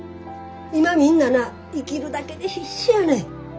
今みんなな生きるだけで必死やねん。